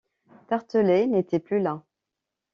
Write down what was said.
Tartelett n’était plus là.